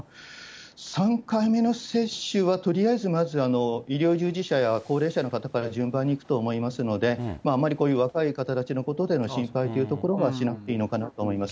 ３回目の接種はとりあえず、まずは医療従事者や高齢者の方から順番にいくと思いますので、あんまりこういう若い方たちのことでの心配というところはしなくていいのかなと思います。